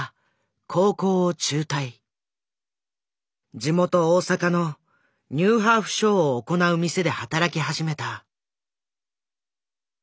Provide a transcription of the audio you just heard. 地元・大阪のニューハーフショーを行う店で働き始めた。